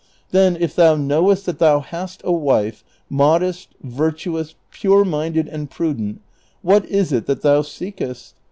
Then, if thou knowest that thou hast a wife, modest, virtuous, pure minded, and prudent, what is it that thou seekest?